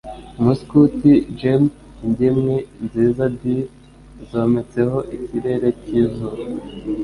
Umuskuti Jem ingemwe nziza "Dill" zometseho ikirere cyizuba